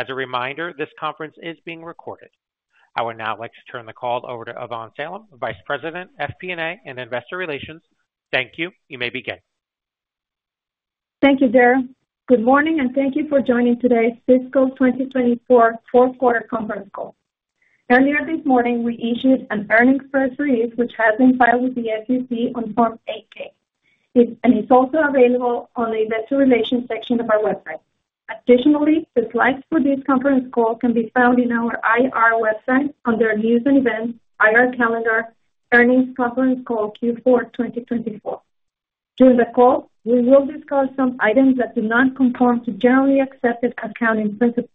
As a reminder, this conference is being recorded. I would now like to turn the call over to Ivonne Salem, Vice President, FP&A, and Investor Relations. Thank you. You may begin. Thank you, Daryl. Good morning, and thank you for joining today's fiscal 2024 fourth quarter conference call. Earlier this morning, we issued an earnings press release, which has been filed with the SEC on Form 8-K. And it's also available on the Investor Relations section of our website. Additionally, the slides for this conference call can be found in our IR website under News and Events, IR Calendar, Earnings Conference Call Q4 2024. During the call, we will discuss some items that do not conform to generally accepted accounting principles.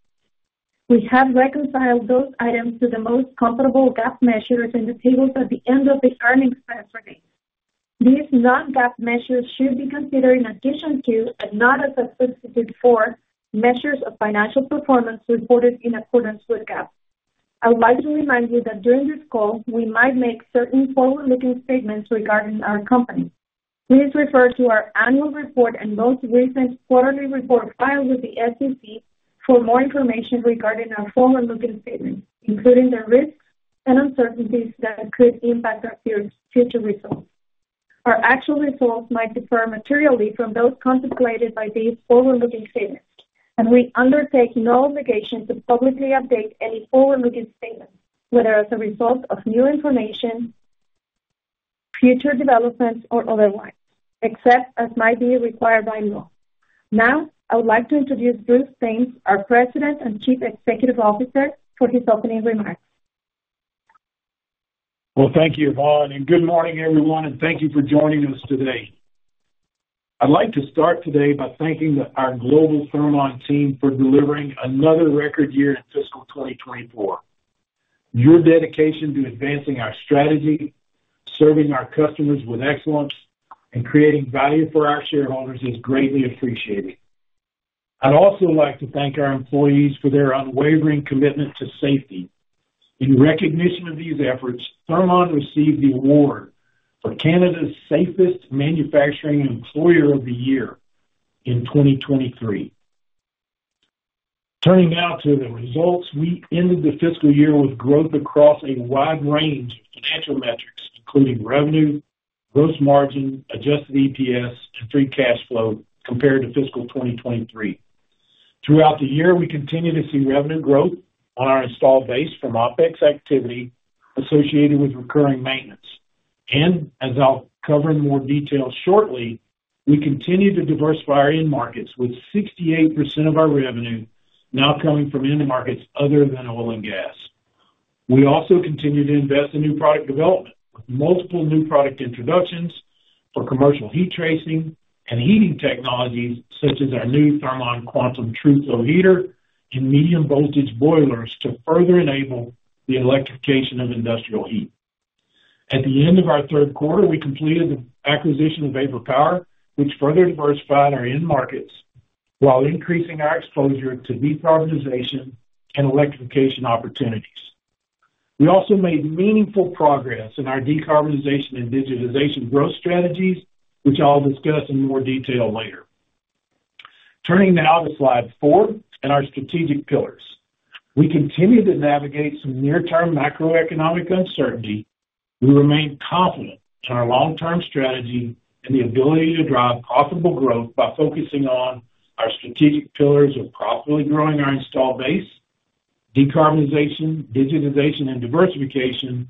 We have reconciled those items to the most comparable GAAP measures in the tables at the end of the earnings press release. These non-GAAP measures should be considered in addition to, and not as a substitute for, measures of financial performance reported in accordance with GAAP. I would like to remind you that during this call, we might make certain forward-looking statements regarding our company. Please refer to our annual report and most recent quarterly report filed with the SEC for more information regarding our forward-looking statements, including the risks and uncertainties that could impact our future results. Our actual results might differ materially from those contemplated by these forward-looking statements, and we undertake no obligation to publicly update any forward-looking statements, whether as a result of new information, future developments or otherwise, except as might be required by law. Now, I would like to introduce Bruce Thames, our President and Chief Executive Officer, for his opening remarks. Well, thank you, Ivonne, and good morning everyone, and thank you for joining us today. I'd like to start today by thanking our global Thermon team for delivering another record year in fiscal 2024. Your dedication to advancing our strategy, serving our customers with excellence, and creating value for our shareholders is greatly appreciated. I'd also like to thank our employees for their unwavering commitment to safety. In recognition of these efforts, Thermon received the award for Canada's Safest Manufacturing Employer of the Year in 2023. Turning now to the results, we ended the fiscal year with growth across a wide range of financial metrics, including revenue, gross margin, adjusted EPS, and free cash flow compared to fiscal 2023. Throughout the year, we continued to see revenue growth on our installed base from OpEx activity associated with recurring maintenance. And as I'll cover in more detail shortly, we continue to diversify our end markets, with 68% of our revenue now coming from end markets other than oil and gas. We also continue to invest in new product development, with multiple new product introductions for commercial heat tracing and heating technologies, such as our new Thermon Quantum TrueFlow Heater and medium voltage boilers to further enable the electrification of industrial heat. At the end of our third quarter, we completed the acquisition of Vapor Power, which further diversified our end markets while increasing our exposure to decarbonization and electrification opportunities. We also made meaningful progress in our decarbonization and digitization growth strategies, which I'll discuss in more detail later. Turning now to slide four and our strategic pillars. We continue to navigate some near-term macroeconomic uncertainty. We remain confident in our long-term strategy and the ability to drive profitable growth by focusing on our strategic pillars of profitably growing our installed base, decarbonization, digitization and diversification,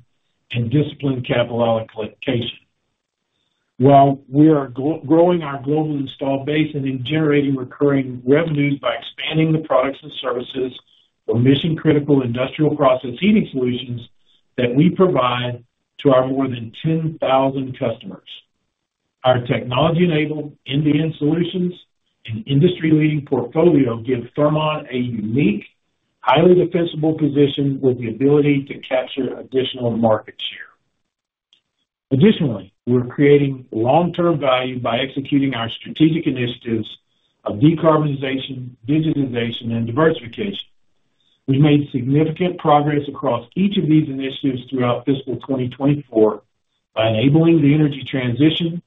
and disciplined capital allocation. While we are growing our global installed base and then generating recurring revenues by expanding the products and services for mission-critical industrial process heating solutions that we provide to our more than 10,000 customers, our technology-enabled end-to-end solutions and industry-leading portfolio give Thermon a unique, highly defensible position with the ability to capture additional market share. Additionally, we're creating long-term value by executing our strategic initiatives of decarbonization, digitization, and diversification. We made significant progress across each of these initiatives throughout fiscal 2024 by enabling the energy transition,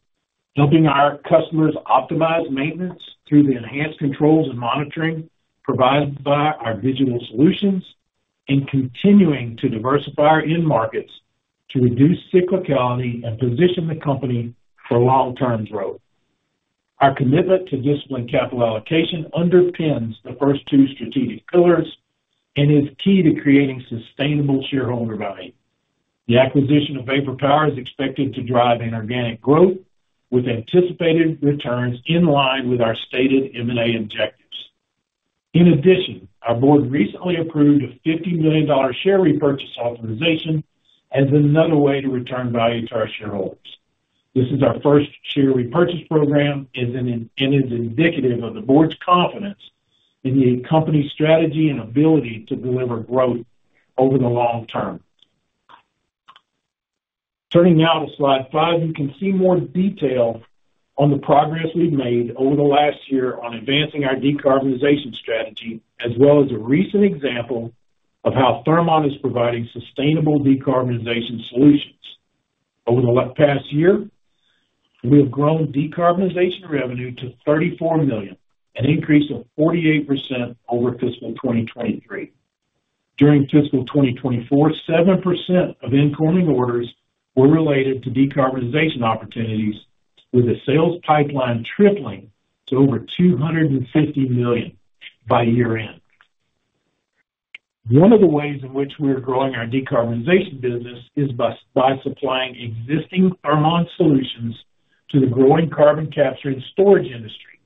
helping our customers optimize maintenance through the enhanced controls and monitoring provided by our digital solutions, and continuing to diversify our end markets to reduce cyclicality and position the company for long-term growth. Our commitment to disciplined capital allocation underpins the first two strategic pillars and is key to creating sustainable shareholder value. The acquisition of Vapor Power is expected to drive inorganic growth with anticipated returns in line with our stated M&A objectives. In addition, our board recently approved a $50 million share repurchase authorization as another way to return value to our shareholders. This is our first share repurchase program and is indicative of the board's confidence in the company's strategy and ability to deliver growth over the long term. Turning now to slide five, you can see more detail on the progress we've made over the last year on advancing our decarbonization strategy, as well as a recent example of how Thermon is providing sustainable decarbonization solutions. Over the past year, we have grown decarbonization revenue to $34 million, an increase of 48% over fiscal 2023. During fiscal 2024, 7% of incoming orders were related to decarbonization opportunities, with a sales pipeline tripling to over $250 million by year-end. One of the ways in which we are growing our decarbonization business is by supplying existing Thermon solutions to the growing carbon capture and storage industry.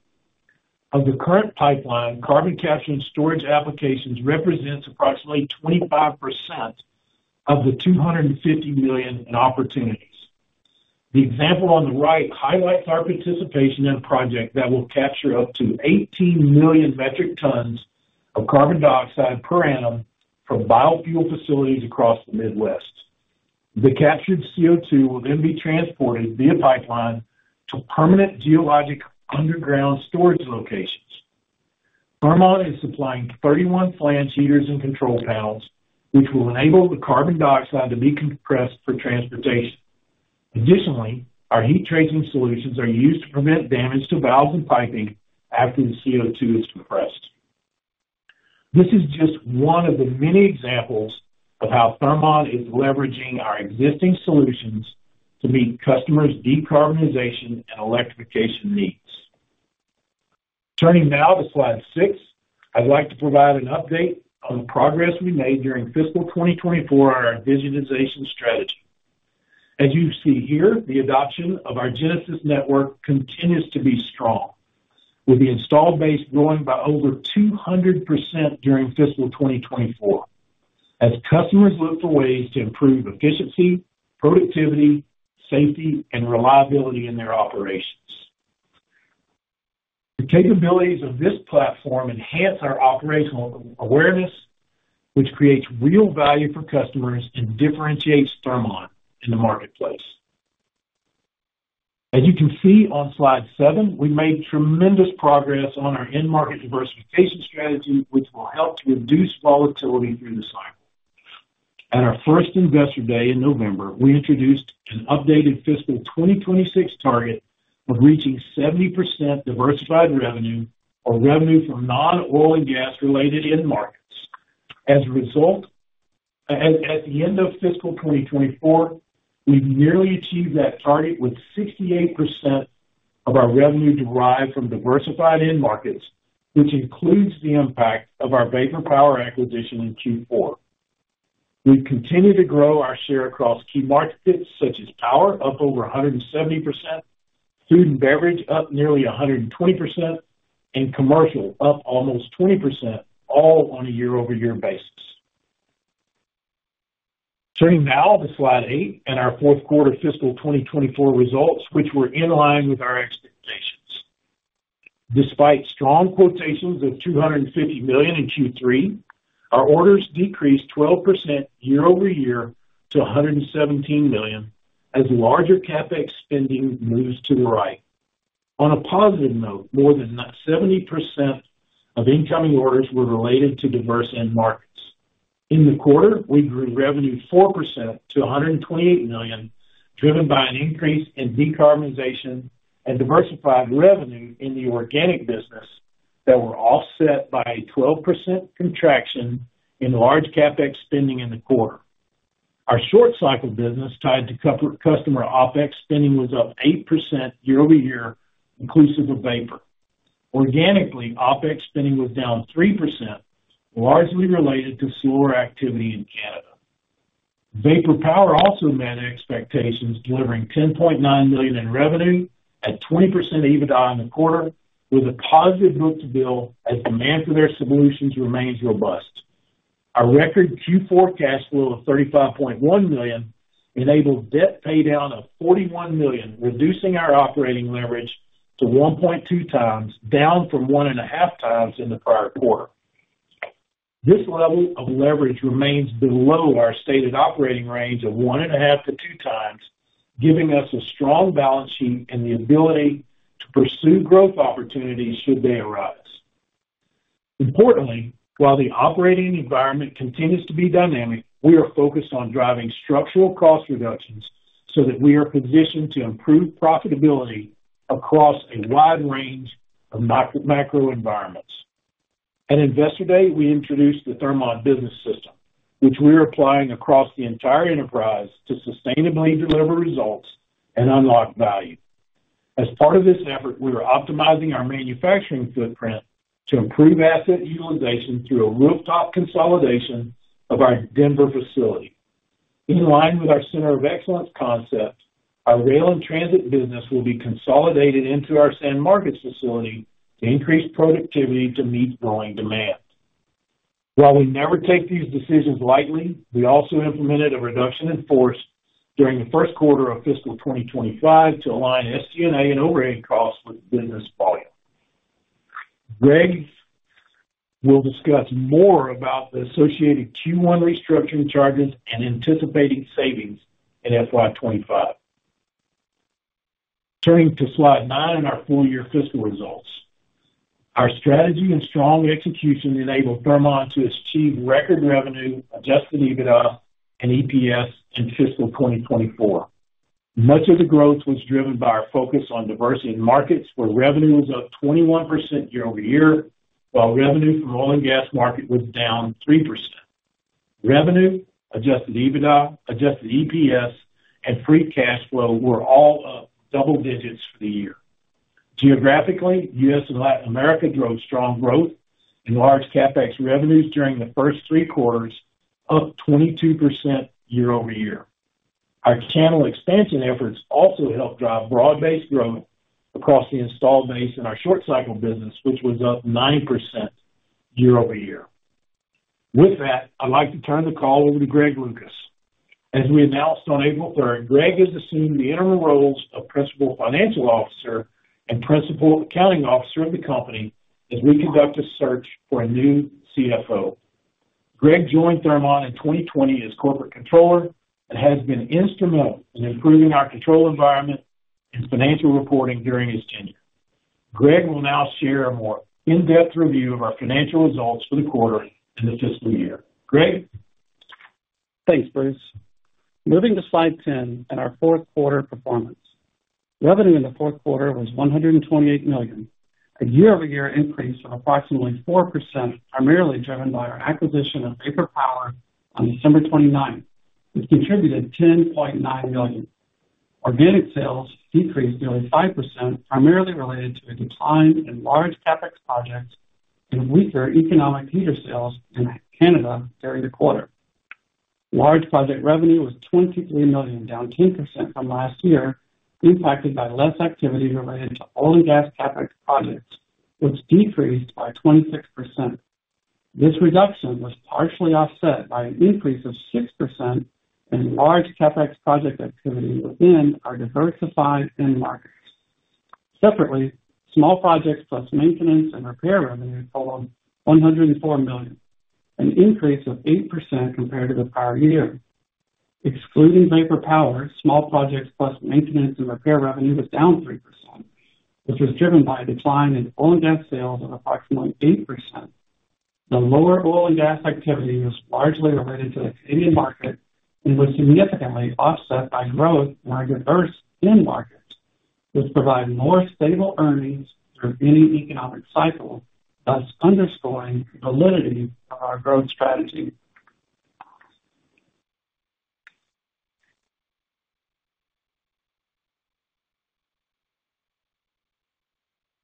Of the current pipeline, carbon capture and storage applications represents approximately 25% of the $250 million in opportunities. The example on the right highlights our participation in a project that will capture up to 18 million metric tons of carbon dioxide per annum from biofuel facilities across the Midwest. The captured CO2 will then be transported via pipeline to permanent geologic underground storage locations. Thermon is supplying 31 flange heaters and control panels, which will enable the carbon dioxide to be compressed for transportation. Additionally, our heat tracing solutions are used to prevent damage to valves and piping after the CO2 is compressed. This is just one of the many examples of how Thermon is leveraging our existing solutions to meet customers' decarbonization and electrification needs. Turning now to slide six, I'd like to provide an update on the progress we made during fiscal 2024 on our digitization strategy. As you see here, the adoption of our Genesis Network continues to be strong, with the installed base growing by over 200% during fiscal 2024, as customers look for ways to improve efficiency, productivity, safety, and reliability in their operations. The capabilities of this platform enhance our operational awareness, which creates real value for customers and differentiates Thermon in the marketplace. As you can see on slide seven, we made tremendous progress on our end market diversification strategy, which will help to reduce volatility through the cycle. At our first Investor Day in November, we introduced an updated fiscal 2026 target of reaching 70% diversified revenue or revenue from non-oil and gas-related end markets. As a result, at the end of fiscal 2024, we've nearly achieved that target, with 68% of our revenue derived from diversified end markets, which includes the impact of our Vapor Power acquisition in Q4. We've continued to grow our share across key markets, such as power, up over 170%, food and beverage up nearly 120%, and commercial up almost 20%, all on a year-over-year basis. Turning now to slide eight and our fourth quarter fiscal 2024 results, which were in line with our expectations. Despite strong quotations of $250 million in Q3, our orders decreased 12% year-over-year to $117 million, as larger CapEx spending moves to the right. On a positive note, more than 70% of incoming orders were related to diverse end markets. In the quarter, we grew revenue 4% to $128 million, driven by an increase in decarbonization and diversified revenue in the organic business that were offset by a 12% contraction in large CapEx spending in the quarter. Our short cycle business, tied to customer OpEx spending, was up 8% year-over-year, inclusive of Vapor. Organically, OpEx spending was down 3%, largely related to slower activity in Canada. Vapor Power also met expectations, delivering $10.9 million in revenue at 20% EBITDA in the quarter, with a positive book-to-bill as demand for their solutions remains robust. Our record Q4 cash flow of $35.1 million enabled debt paydown of $41 million, reducing our operating leverage to 1.2x, down from 1.5x in the prior quarter. This level of leverage remains below our stated operating range of 1.5x-2x, giving us a strong balance sheet and the ability to pursue growth opportunities should they arise. Importantly, while the operating environment continues to be dynamic, we are focused on driving structural cost reductions so that we are positioned to improve profitability across a wide range of macro environments. At Investor Day, we introduced the Thermon Business System, which we are applying across the entire enterprise to sustainably deliver results and unlock value. As part of this effort, we are optimizing our manufacturing footprint to improve asset utilization through a footprint consolidation of our Denver facility. In line with our center of excellence concept, our rail and transit business will be consolidated into our San Marcos facility to increase productivity to meet growing demand. While we never take these decisions lightly, we also implemented a reduction in force during the first quarter of fiscal 2025 to align SG&A and overhead costs with business volume. Greg will discuss more about the associated Q1 restructuring charges and anticipating savings in FY 2025. Turning to slide nine, our full year fiscal results. Our strategy and strong execution enabled Thermon to achieve record revenue, adjusted EBITDA, and EPS in fiscal 2024. Much of the growth was driven by our focus on diversity in markets, where revenue was up 21% year-over-year, while revenue from oil and gas market was down 3%. Revenue, adjusted EBITDA, adjusted EPS, and free cash flow were all up double digits for the year. Geographically, U.S. and Latin America drove strong growth in large CapEx revenues during the first three quarters, up 22% year-over-year. Our channel expansion efforts also helped drive broad-based growth across the installed base in our short cycle business, which was up 9% year-over-year. With that, I'd like to turn the call over to Greg Lucas. As we announced on April 3rd, Greg has assumed the interim roles of Principal Financial Officer and Principal Accounting Officer of the company as we conduct a search for a new CFO. Greg joined Thermon in 2020 as Corporate Controller and has been instrumental in improving our control environment and financial reporting during his tenure. Greg will now share a more in-depth review of our financial results for the quarter and the fiscal year. Greg? Thanks, Bruce. Moving to slide 10 and our fourth quarter performance. Revenue in the fourth quarter was $128 million, a year-over-year increase of approximately 4%, primarily driven by our acquisition of Vapor Power on December 29th, which contributed $10.9 million. Organic sales decreased nearly 5%, primarily related to a decline in large CapEx projects and weaker economic heater sales in Canada during the quarter. Large project revenue was $23 million, down 10% from last year, impacted by less activity related to oil and gas CapEx projects, which decreased by 26%. This reduction was partially offset by an increase of 6% in large CapEx project activity within our diversified end markets. Separately, small projects plus maintenance and repair revenue totaled $104 million, an increase of 8% compared to the prior year. Excluding Vapor Power, small projects plus maintenance and repair revenue was down 3%, which was driven by a decline in oil and gas sales of approximately 8%. The lower oil and gas activity was largely related to the Canadian market and was significantly offset by growth in our diverse end markets, which provide more stable earnings through any economic cycle, thus underscoring the validity of our growth strategy.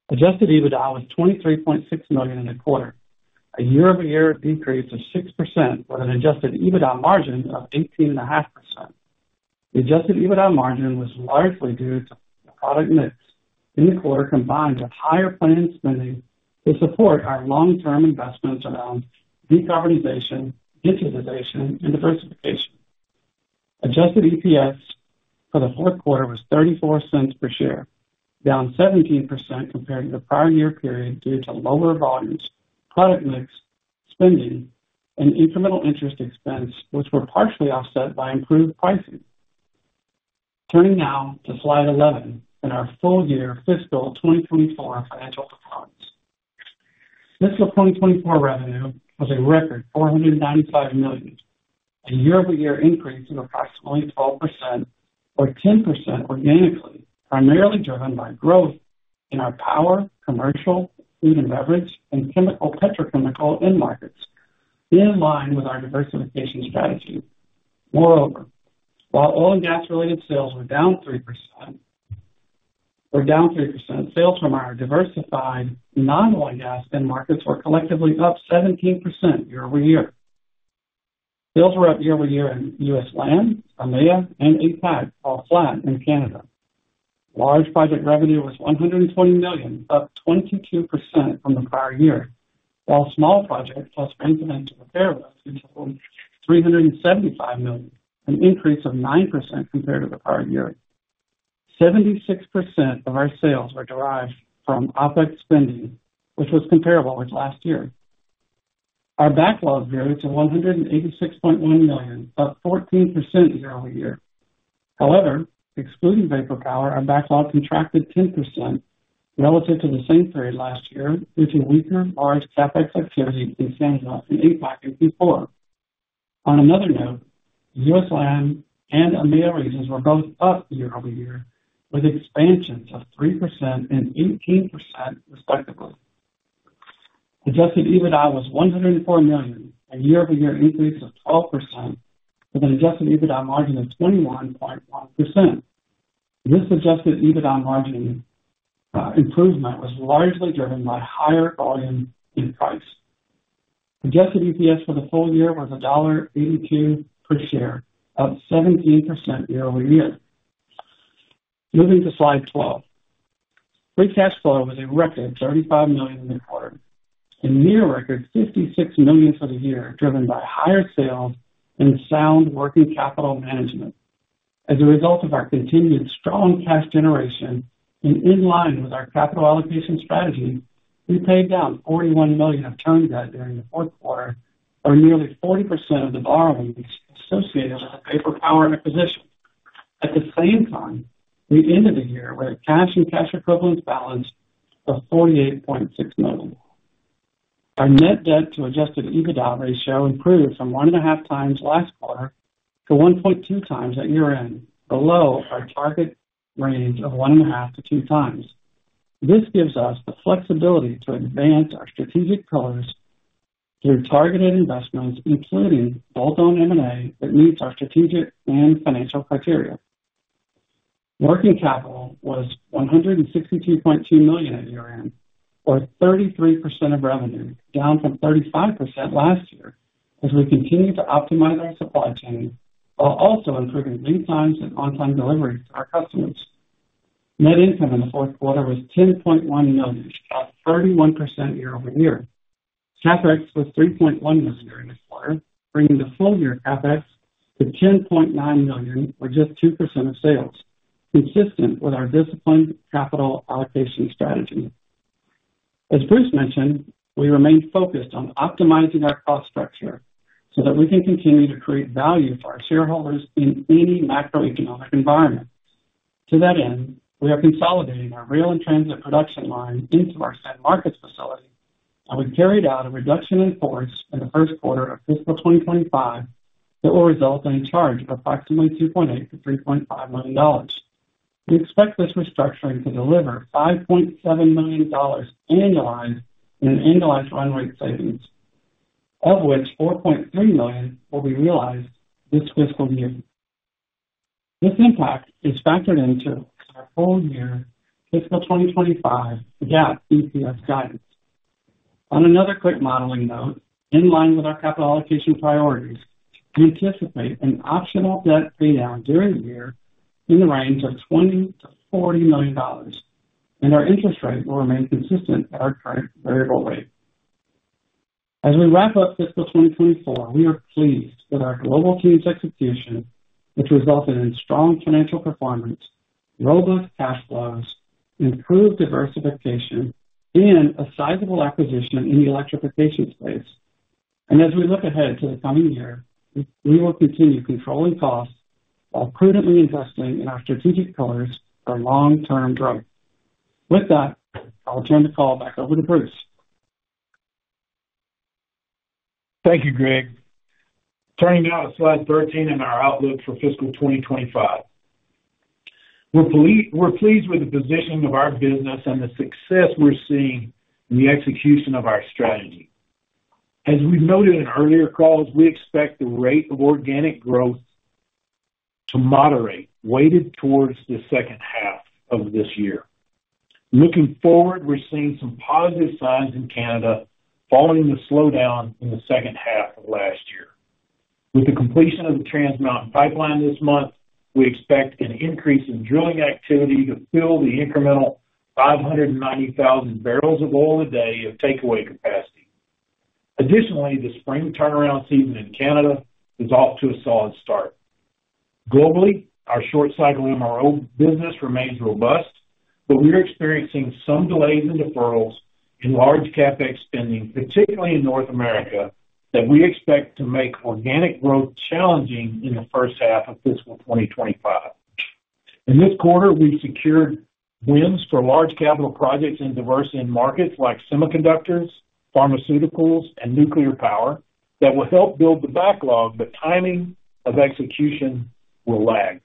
Adjusted EBITDA was $23.6 million in the quarter, a year-over-year decrease of 6%, with an adjusted EBITDA margin of 18.5%. The adjusted EBITDA margin was largely due to product mix in the quarter, combined with higher planned spending to support our long-term investments around decarbonization, digitization, and diversification. Adjusted EPS for the fourth quarter was $0.34 per share, down 17% compared to the prior year period due to lower volumes, product mix, spending, and incremental interest expense, which were partially offset by improved pricing. Turning now to slide 11 and our full-year fiscal 2024 financial performance. Fiscal 2024 revenue was a record $495 million, a year-over-year increase of approximately 12% or 10% organically, primarily driven by growth in our power, commercial, food and beverage, and chemical petrochemical end markets, in line with our diversification strategy. Moreover, while oil and gas-related sales were down 3%, sales from our diversified non-oil and gas end markets were collectively up 17% year-over-year. Sales were up year-over-year in U.S., LAM, EMEA, and APAC, while flat in Canada. Large project revenue was $120 million, up 22% from the prior year, while small projects plus maintenance and repair revenue totaled $375 million, an increase of 9% compared to the prior year. 76% of our sales were derived from OpEx spending, which was comparable with last year. Our backlog grew to $186.1 million, up 14% year-over-year. However, excluding Vapor Power, our backlog contracted 10% relative to the same period last year, due to weaker large CapEx activity in China and impact in Q4. On another note, U.S., LAM, and EMEA regions were both up year-over-year, with expansions of 3% and 18%, respectively. Adjusted EBITDA was $104 million, a year-over-year increase of 12%, with an adjusted EBITDA margin of 21.1%. This adjusted EBITDA margin improvement was largely driven by higher volume and price. Adjusted EPS for the full year was $1.82 per share, up 17% year-over-year. Moving to slide 12. Free cash flow was a record $35 million in the quarter, a near-record $56 million for the year, driven by higher sales and sound working capital management. As a result of our continued strong cash generation and in line with our capital allocation strategy, we paid down $41 million of term debt during the fourth quarter, or nearly 40% of the borrowings associated with our Vapor Power acquisition. At the same time, we ended the year with a cash and cash equivalents balance of $48.6 million. Our net debt to adjusted EBITDA ratio improved from 1.5x last quarter to 1.2x at year-end, below our target range of 1.5x-2x. This gives us the flexibility to advance our strategic pillars through targeted investments, including bolt-on M&A that meets our strategic and financial criteria. Working capital was $162.2 million at year-end, or 33% of revenue, down from 35% last year, as we continue to optimize our supply chain, while also improving lead times and on-time delivery to our customers. Net income in the fourth quarter was $10.1 million, up 31% year-over-year. CapEx was $3.1 million during this quarter, bringing the full year CapEx to $10.9 million, or just 2% of sales, consistent with our disciplined capital allocation strategy. As Bruce mentioned, we remain focused on optimizing our cost structure so that we can continue to create value for our shareholders in any macroeconomic environment. To that end, we are consolidating our rail and transit production line into our San Marcos facility, and we carried out a reduction in force in the first quarter of fiscal 2025 that will result in a charge of approximately $2.8 million-$3.5 million. We expect this restructuring to deliver $5.7 million annualized in annualized run rate savings, of which $4.3 million will be realized this fiscal year. This impact is factored into our full year fiscal 2025 GAAP EPS guidance. On another quick modeling note, in line with our capital allocation priorities, we anticipate an optional debt pay down during the year in the range of $20 million-$40 million, and our interest rate will remain consistent at our current variable rate. As we wrap up fiscal 2024, we are pleased with our global team's execution, which resulted in strong financial performance, robust cash flows, improved diversification, and a sizable acquisition in the electrification space. As we look ahead to the coming year, we will continue controlling costs while prudently investing in our strategic pillars for long-term growth. With that, I'll turn the call back over to Bruce. Thank you, Greg. Turning now to slide 13 and our outlook for fiscal 2025. We're pleased with the positioning of our business and the success we're seeing in the execution of our strategy. As we've noted in earlier calls, we expect the rate of organic growth to moderate, weighted towards the second half of this year. Looking forward, we're seeing some positive signs in Canada following the slowdown in the second half of last year. With the completion of the Trans Mountain pipeline this month, we expect an increase in drilling activity to fill the incremental 590,000 bbl of oil a day of takeaway capacity. Additionally, the spring turnaround season in Canada is off to a solid start. Globally, our short cycle MRO business remains robust, but we are experiencing some delays and deferrals in large CapEx spending, particularly in North America, that we expect to make organic growth challenging in the first half of fiscal 2025. In this quarter, we secured wins for large capital projects in diverse end markets like semiconductors, pharmaceuticals, and nuclear power that will help build the backlog, but timing of execution will lag.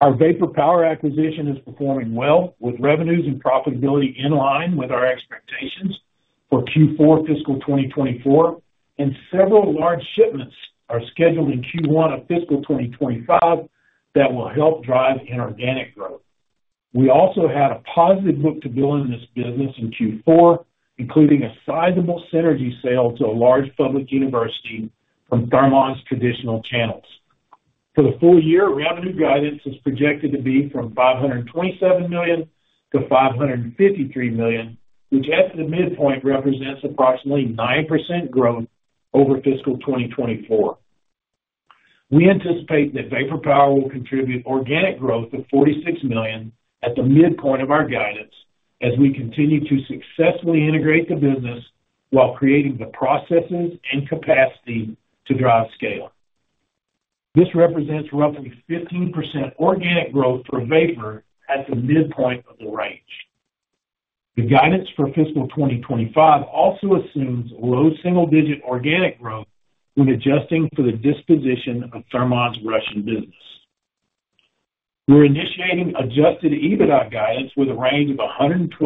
Our Vapor Power acquisition is performing well, with revenues and profitability in line with our expectations for Q4 fiscal 2024, and several large shipments are scheduled in Q1 of fiscal 2025 that will help drive inorganic growth. We also had a positive book-to-bill in this business in Q4, including a sizable synergy sale to a large public university from Thermon's traditional channels. For the full year, revenue guidance is projected to be from $527 million-$553 million, which at the midpoint represents approximately 9% growth over fiscal 2024. We anticipate that Vapor Power will contribute organic growth of $46 million at the midpoint of our guidance as we continue to successfully integrate the business while creating the processes and capacity to drive scale. This represents roughly 15% organic growth for Vapor at the midpoint of the range. The guidance for fiscal 2025 also assumes low single-digit organic growth when adjusting for the disposition of Thermon's Russian business. We're initiating adjusted EBITDA guidance with a range of $112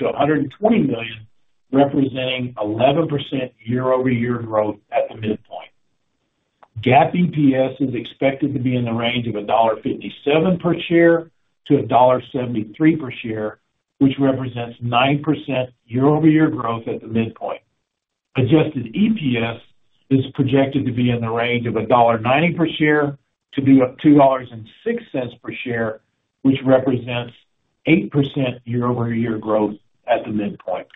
million-$120 million, representing 11% year-over-year growth at the midpoint. GAAP EPS is expected to be in the range of $1.57-$1.73 per share, which represents 9% year-over-year growth at the midpoint. Adjusted EPS is projected to be in the range of $1.90 per share to be up to $2.06 per share, which represents 8% year-over-year growth at the midpoint.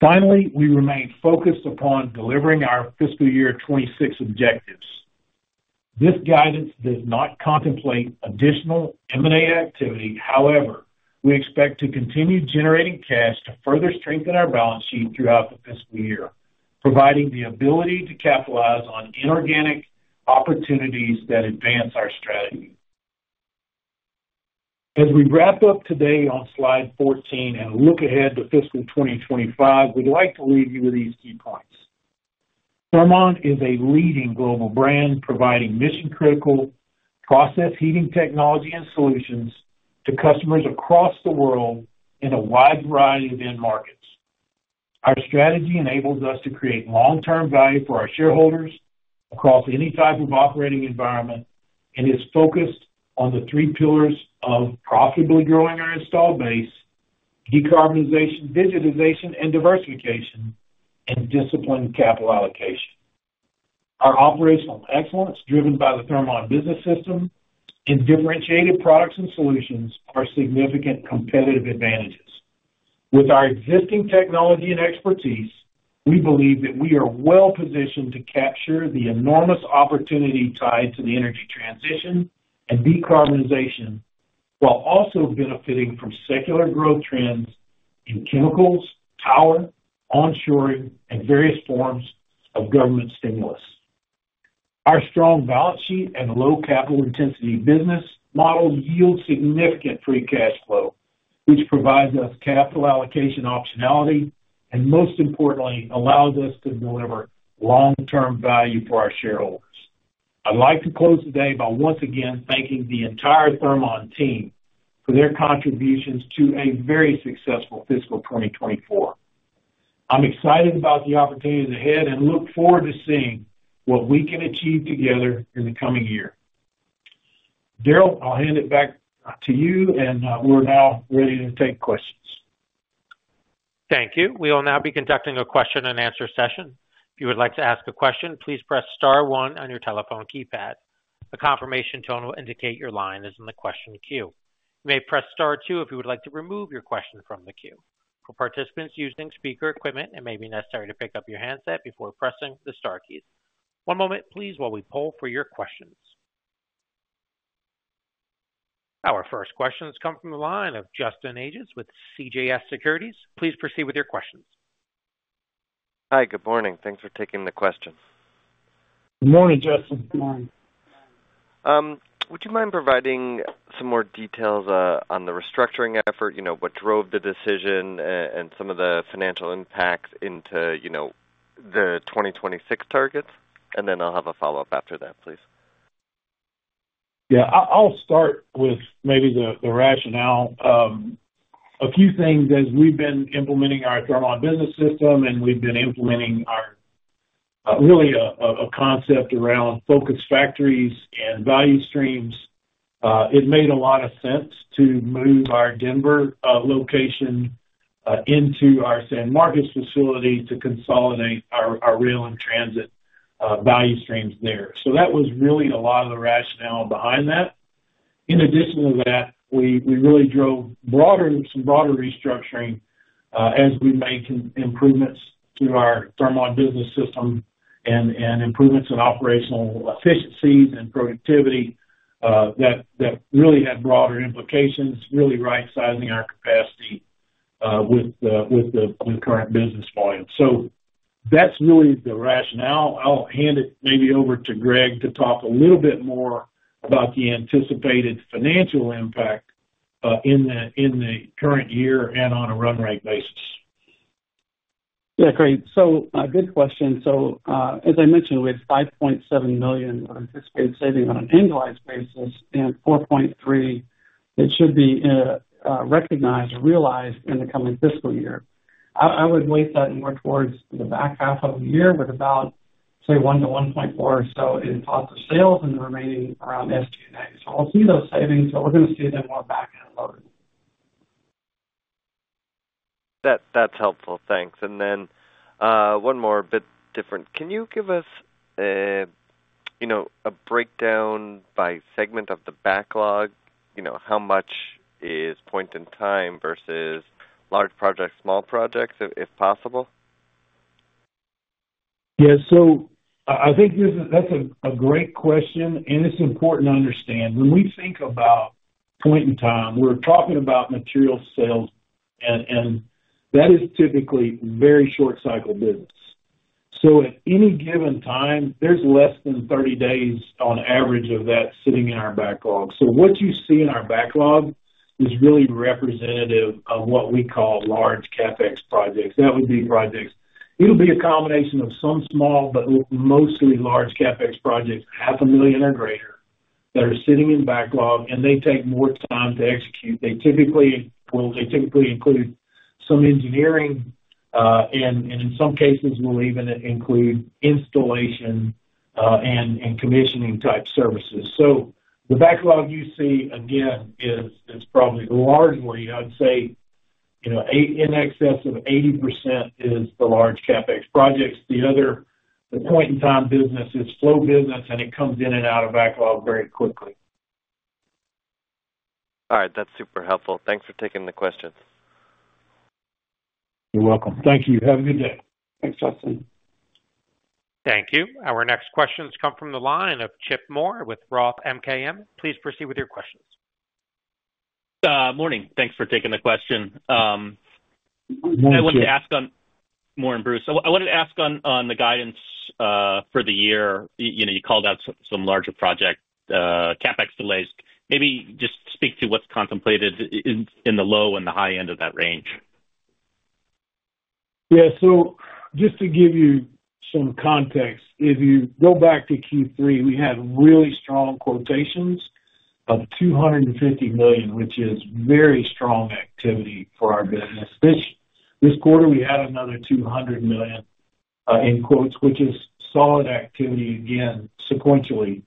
Finally, we remain focused upon delivering our fiscal year 2026 objectives. This guidance does not contemplate additional M&A activity, however, we expect to continue generating cash to further strengthen our balance sheet throughout the fiscal year, providing the ability to capitalize on inorganic opportunities that advance our strategy. As we wrap up today on slide 14 and look ahead to fiscal 2025, we'd like to leave you with these key points. Thermon is a leading global brand, providing mission-critical process heating technology and solutions to customers across the world in a wide variety of end markets. Our strategy enables us to create long-term value for our shareholders across any type of operating environment and is focused on the three pillars of profitably growing our installed base, decarbonization, digitization, and diversification, and disciplined capital allocation. Our operational excellence, driven by the Thermon Business System and differentiated products and solutions, are significant competitive advantages. With our existing technology and expertise, we believe that we are well-positioned to capture the enormous opportunity tied to the energy transition and decarbonization, while also benefiting from secular growth trends in chemicals, power, onshoring, and various forms of government stimulus. Our strong balance sheet and low capital intensity business models yield significant free cash flow, which provides us capital allocation optionality, and most importantly, allows us to deliver long-term value for our shareholders. I'd like to close today by once again thanking the entire Thermon team for their contributions to a very successful fiscal 2024. I'm excited about the opportunities ahead and look forward to seeing what we can achieve together in the coming year. Daryl, I'll hand it back to you, and we're now ready to take questions. Thank you. We will now be conducting a question-and-answer session. If you would like to ask a question, please press star one on your telephone keypad. A confirmation tone will indicate your line is in the question queue. You may press star two if you would like to remove your question from the queue. For participants using speaker equipment, it may be necessary to pick up your handset before pressing the star key. One moment, please, while we poll for your questions. Our first question has come from the line of Justin Ages with CJS Securities. Please proceed with your questions. Hi, good morning. Thanks for taking the questions. Good morning, Justin. Good morning. Would you mind providing some more details on the restructuring effort? You know, what drove the decision, and some of the financial impacts into, you know, the 2026 targets? And then I'll have a follow-up after that, please. Yeah, I'll start with maybe the rationale. A few things, as we've been implementing our Thermon Business System, and we've been implementing our really a concept around focused factories and value streams, it made a lot of sense to move our Denver location into our San Marcos facility to consolidate our rail and transit value streams there. So that was really a lot of the rationale behind that. In addition to that, we really drove broader some broader restructuring, as we made continuous improvements to our Thermon Business System and improvements in operational efficiencies and productivity, that really had broader implications, really right-sizing our capacity with the current business volume. So that's really the rationale. I'll hand it maybe over to Greg to talk a little bit more about the anticipated financial impact in the current year and on a run rate basis. Yeah, great. So, a good question. So, as I mentioned, we have $5.7 million of anticipated savings on an annualized basis and $4.3 million that should be recognized or realized in the coming fiscal year. I, I would weight that more towards the back half of the year, with about, say, $1-$1.4 or so in cost of sales and the remaining around SG&A. So we'll see those savings, but we're gonna see them more back end loaded. That, that's helpful. Thanks. And then, one more, a bit different. Can you give us, you know, a breakdown by segment of the backlog? You know, how much is point-in-time versus large projects, small projects, if possible? Yeah, so I think this is, that's a great question, and it's important to understand. When we think about point-in-time, we're talking about material sales, and that is typically very short cycle business. So at any given time, there's less than 30 days on average of that sitting in our backlog. So what you see in our backlog is really representative of what we call large CapEx projects. That would be projects. It'll be a combination of some small, but mostly large CapEx projects, $500,000 or greater, that are sitting in backlog, and they take more time to execute. They typically include some engineering, and in some cases will even include installation, and commissioning-type services. So the backlog you see, again, is probably largely, I'd say, you know, 80- in excess of 80% is the large CapEx projects. The other, the point-in-time business is slow business, and it comes in and out of backlog very quickly. All right, that's super helpful. Thanks for taking the questions. You're welcome. Thank you. Have a good day. Thanks, Justin. Thank you. Our next questions come from the line of Chip Moore with ROTH MKM. Please proceed with your questions. Morning. Thanks for taking the question. Morning, Chip. I wanted to ask- morning, Bruce, I wanted to ask on the guidance for the year. You know, you called out some larger project CapEx delays. Maybe just speak to what's contemplated in the low and the high end of that range. Yeah. So just to give you some context, if you go back to Q3, we had really strong quotations of $250 million, which is very strong activity for our business. This, this quarter, we had another $200 million in quotes, which is solid activity again, sequentially.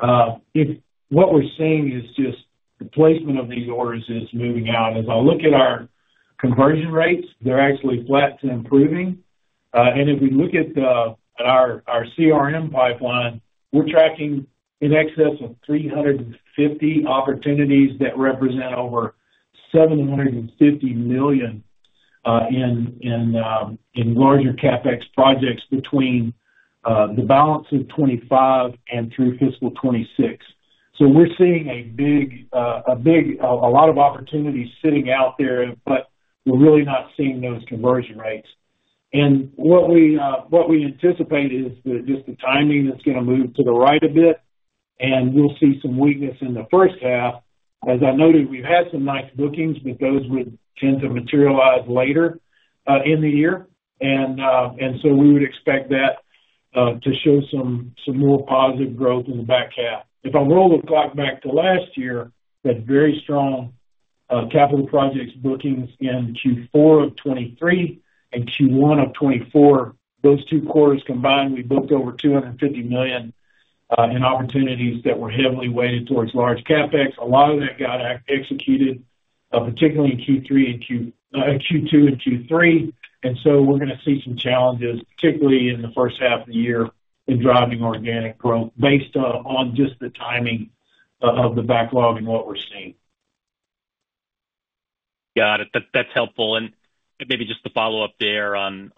What we're seeing is just the placement of these orders is moving out. As I look at our conversion rates, they're actually flat to improving. And if we look at the, at our, our CRM pipeline, we're tracking in excess of 350 opportunities that represent over $750 million in larger CapEx projects between the balance of 2025 and through fiscal 2026. So we're seeing a big, a big, a lot of opportunities sitting out there, but we're really not seeing those conversion rates. What we anticipate is just the timing that's gonna move to the right a bit, and we'll see some weakness in the first half. As I noted, we've had some nice bookings, but those would tend to materialize later in the year. So we would expect that to show some more positive growth in the back half. If I roll the clock back to last year, we had very strong capital projects bookings in Q4 of 2023 and Q1 of 2024. Those two quarters combined, we booked over $250 million in opportunities that were heavily weighted towards large CapEx. A lot of that got executed, particularly in Q3 and Q2 and Q3, and so we're gonna see some challenges, particularly in the first half of the year, in driving organic growth based on just the timing of the backlog and what we're seeing. Got it. That's helpful. And maybe just to follow up there on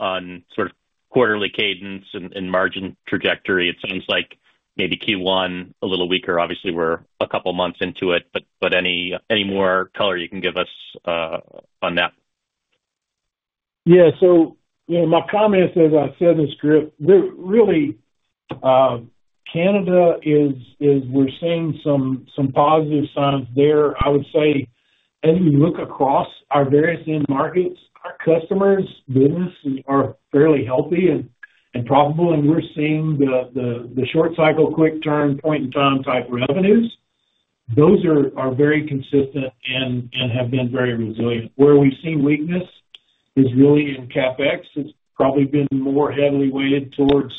sort of quarterly cadence and margin trajectory. It seems like maybe Q1 a little weaker. Obviously, we're a couple of months into it, but any more color you can give us on that? Yeah. So, you know, my comment, as I said in the script, really, Canada is we're seeing some positive signs there. I would say, as we look across our various end markets, our customers' business are fairly healthy and profitable, and we're seeing the short cycle, quick turn, point-in-time type revenues. Those are very consistent and have been very resilient. Where we've seen weakness is really in CapEx. It's probably been more heavily weighted towards,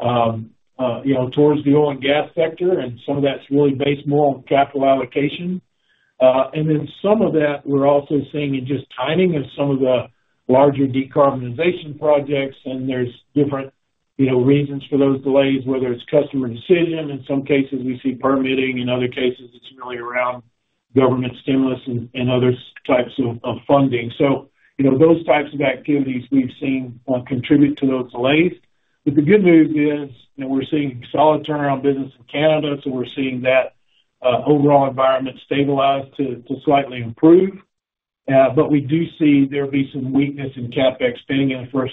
you know, towards the oil and gas sector, and some of that's really based more on capital allocation. And then some of that, we're also seeing in just timing of some of the larger decarbonization projects, and there's different, you know, reasons for those delays, whether it's customer decision, in some cases, we see permitting, in other cases, it's really around government stimulus and other types of funding. So, you know, those types of activities we've seen contribute to those delays. But the good news is that we're seeing solid turnaround business in Canada, so we're seeing that overall environment stabilize to slightly improve. But we do see there be some weakness in CapEx spending in the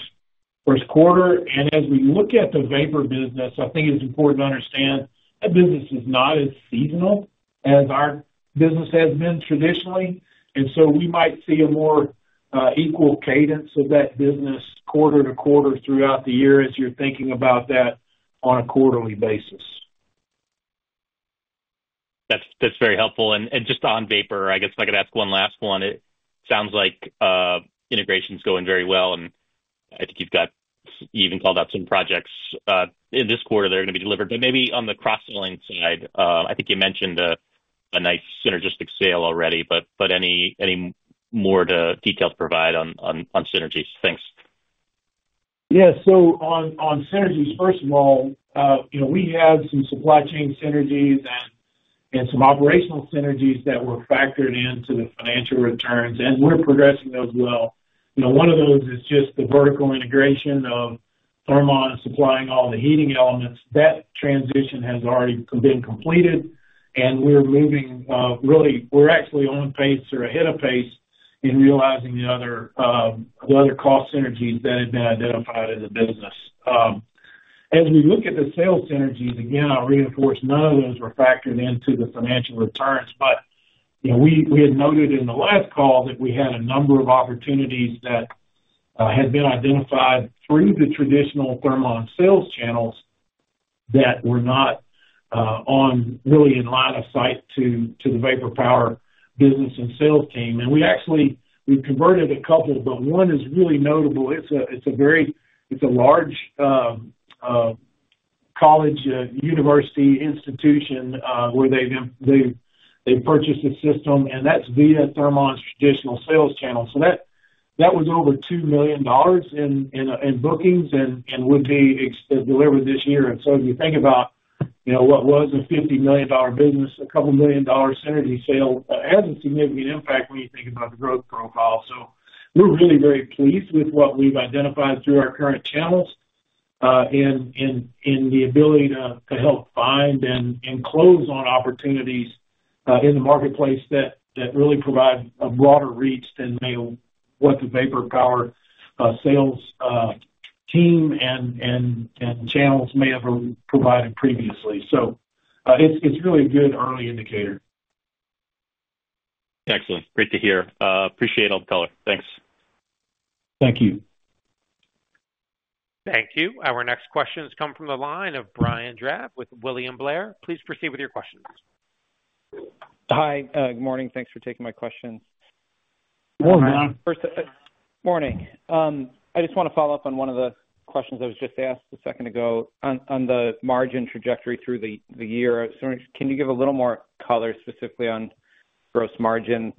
first quarter. As we look at the vapor business, I think it's important to understand that business is not as seasonal as our business has been traditionally, and so we might see a more equal cadence of that business quarter to quarter throughout the year, as you're thinking about that on a quarterly basis. That's, that's very helpful. And, and just on Vapor, I guess if I could ask one last one. It sounds like integration's going very well, and I think you've got you even called out some projects in this quarter; they're gonna be delivered. But maybe on the cross-selling side, I think you mentioned a nice synergistic sale already, but any more details provided on synergies? Thanks. Yeah. So on synergies, first of all, you know, we had some supply chain synergies and some operational synergies that were factored into the financial returns, and we're progressing those well. You know, one of those is just the vertical integration of Thermon supplying all the heating elements. That transition has already been completed, and we're moving, really, we're actually on pace or ahead of pace in realizing the other cost synergies that have been identified in the business. As we look at the sales synergies, again, I'll reinforce, none of those were factored into the financial returns. But, you know, we had noted in the last call that we had a number of opportunities that had been identified through the traditional Thermon sales channels that were not really in line of sight to the Vapor Power business and sales team. And we actually, we've converted a couple, but one is really notable. It's a very large college university institution where they've purchased a system, and that's via Thermon's traditional sales channel. So that was over $2 million in bookings and would be delivered this year. And so if you think about, you know, what was a $50 million business, a couple million dollar synergy sale has a significant impact when you think about the growth profile. So we're really very pleased with what we've identified through our current channels, in the ability to help find and close on opportunities, in the marketplace that really provide a broader reach than they—what the Vapor Power sales team and channels may have provided previously. So, it's really a good early indicator. Excellent. Great to hear. Appreciate all the color. Thanks. Thank you. Thank you. Our next question has come from the line of Brian Drab with William Blair. Please proceed with your questions. Hi, good morning. Thanks for taking my questions. Good morning. First, morning. I just want to follow up on one of the questions that was just asked a second ago on the margin trajectory through the year. So can you give a little more color, specifically on gross margin?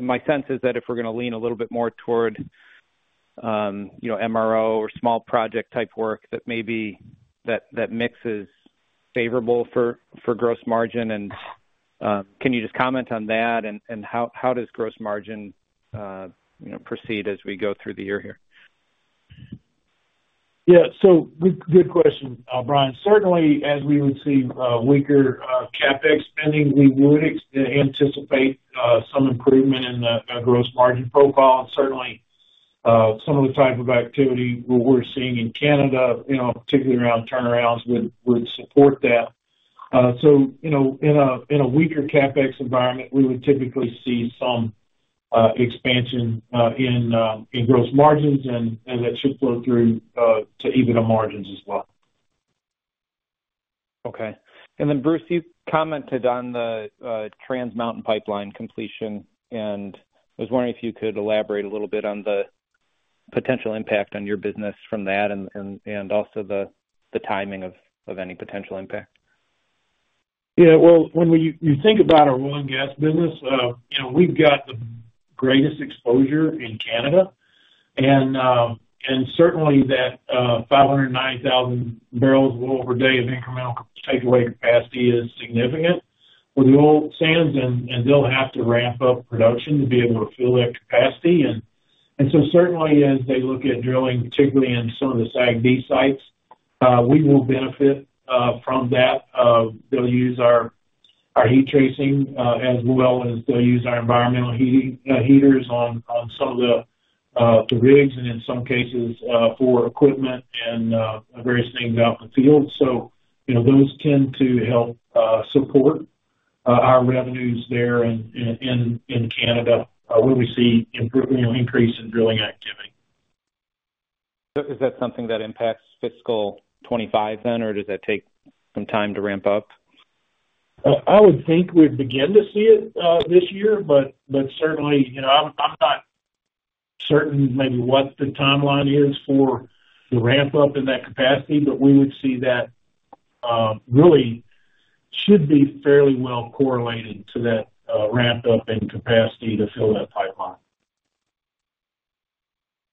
My sense is that if we're gonna lean a little bit more toward, you know, MRO or small project type work, that maybe that mix is favorable for gross margin. And, can you just comment on that? And how does gross margin, you know, proceed as we go through the year here? Yeah. So good question, Brian. Certainly, as we would see weaker CapEx spending, we would anticipate some improvement in the gross margin profile. And certainly some of the type of activity what we're seeing in Canada, you know, particularly around turnarounds, would support that. So, you know, in a weaker CapEx environment, we would typically see some expansion in gross margins, and that should flow through to EBITDA margins as well. Okay. And then, Bruce, you commented on the Trans Mountain pipeline completion, and I was wondering if you could elaborate a little bit on the potential impact on your business from that and also the timing of any potential impact? Yeah, well, when you think about our oil and gas business, you know, we've got the greatest exposure in Canada. And certainly that 509,000 barrels of oil per day of incremental takeaway capacity is significant for the oil sands, and they'll have to ramp up production to be able to fill that capacity. And so certainly as they look at drilling, particularly in some of the SAGD sites, we will benefit from that. They'll use our heat tracing, as well as they'll use our environmental heating heaters on some of the rigs, and in some cases, for equipment and various things out in the field. So, you know, those tend to help support our revenues there in Canada, where we see improving, you know, increase in drilling activity. Is that something that impacts fiscal 2025 then, or does that take some time to ramp up? I would think we'd begin to see it this year, but certainly, you know, I'm not certain maybe what the timeline is for the ramp up in that capacity, but we would see that really should be fairly well correlated to that ramp up in capacity to fill that pipeline.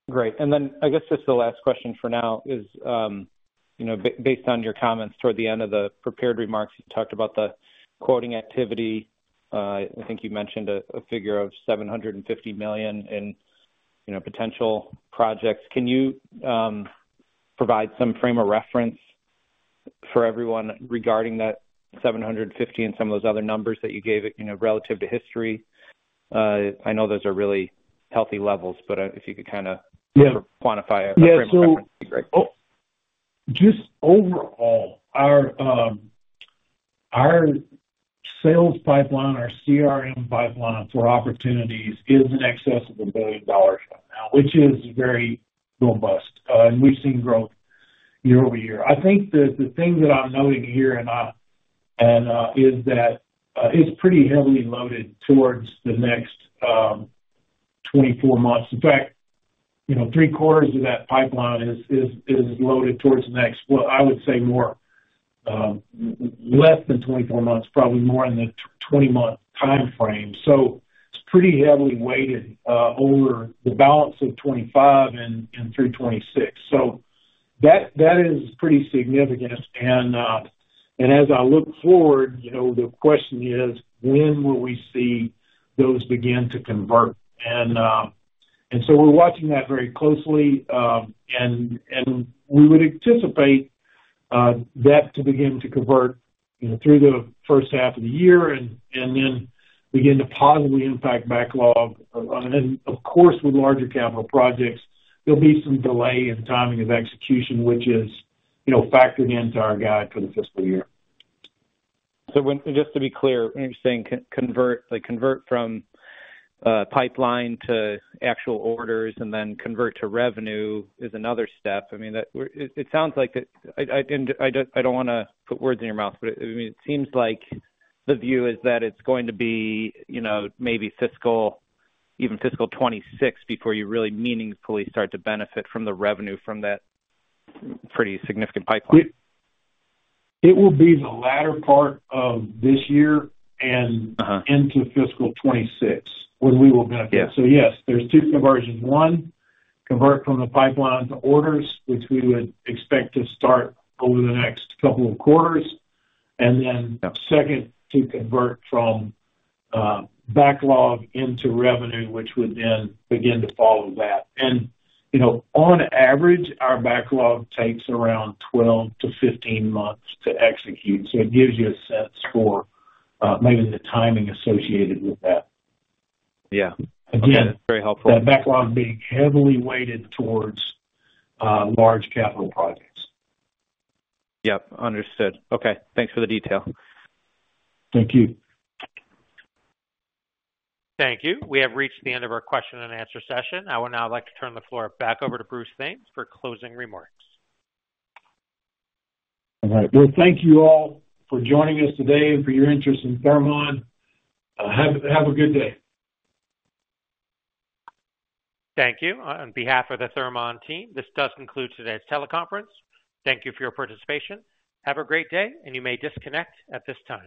Great. And then I guess just the last question for now is, you know, based on your comments toward the end of the prepared remarks, you talked about the quoting activity. I think you mentioned a figure of $750 million in, you know, potential projects. Can you provide some frame of reference for everyone regarding that $750 million and some of those other numbers that you gave, you know, relative to history? I know those are really healthy levels, but if you could kind of- Yeah. Quantify our frame of reference, that'd be great. Oh, just overall, our sales pipeline, our CRM pipeline for opportunities is in excess of $1 billion right now, which is very robust, and we've seen growth year-over-year. I think the thing that I'm noting here, and is that, it's pretty heavily loaded towards the next 24 months. In fact, you know, three-quarters of that pipeline is loaded towards the next, well, I would say more, less than 24 months, probably more in the 20-month timeframe. So it's pretty heavily weighted over the balance of 2025 and through 2026. So that is pretty significant. And as I look forward, you know, the question is: When will we see those begin to convert? And so we're watching that very closely. We would anticipate that to begin to convert, you know, through the first half of the year and then begin to positively impact backlog. And then, of course, with larger capital projects, there'll be some delay in the timing of execution, which is, you know, factored into our guide for the fiscal year. Just to be clear, you're saying convert, like, convert from pipeline to actual orders, and then convert to revenue is another step? I mean, it sounds like that... and I don't wanna put words in your mouth, but, I mean, it seems like the view is that it's going to be, you know, maybe fiscal, even fiscal 2026 before you really meaningfully start to benefit from the revenue from that pretty significant pipeline. It will be the latter part of this year and- Uh-huh. - into fiscal 2026, when we will benefit. Yeah. So yes, there's two conversions: One, convert from the pipeline to orders, which we would expect to start over the next couple of quarters. Yep. And then second, to convert from, backlog into revenue, which would then begin to follow that. And, you know, on average, our backlog takes around 12-15 months to execute. So it gives you a sense for, maybe the timing associated with that. Yeah. Again- Very helpful. That backlog being heavily weighted towards large capital projects. Yep, understood. Okay, thanks for the detail. Thank you. Thank you. We have reached the end of our question and answer session. I would now like to turn the floor back over to Bruce Thames for closing remarks. All right. Well, thank you all for joining us today and for your interest in Thermon. Have a good day. Thank you. On behalf of the Thermon team, this does conclude today's teleconference. Thank you for your participation. Have a great day, and you may disconnect at this time.